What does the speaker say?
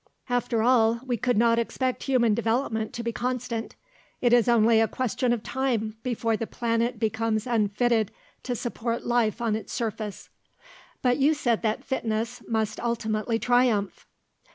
After all, we could not expect human developement to be constant. It is only a question of time before the planet becomes unfitted to support life on its surface." "But you said that fitness must ultimately triumph."